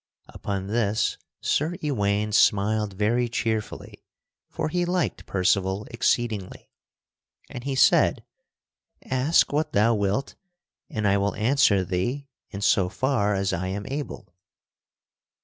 Upon this Sir Ewaine smiled very cheerfully (for he liked Percival exceedingly), and he said: "Ask what thou wilt and I will answer thee in so far as I am able."